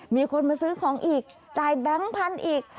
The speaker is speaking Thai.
มีคนมาซื้อของอีกจ่ายแบงค์พันธุ์อีก